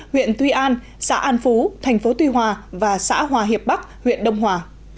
huyện tuy an xã an phú thành phố tuy hòa và xã hòa hiệp bắc huyện đông hòa